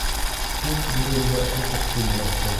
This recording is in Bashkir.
Туп биреүгә хоҡуҡты юғалтыу